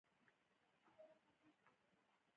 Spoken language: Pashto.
د برانډ وفاداري په خدمت تړلې ده.